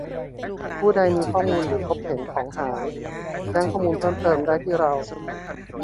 ผู้ใดมีข้อมูลหรือพบเห็นของหายแจ้งข้อมูลเพิ่มเติมได้ที่เรา